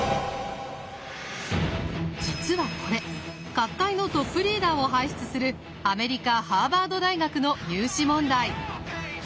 実はこれ各界のトップリーダーを輩出するアメリカ・ハーバード大学の入試問題。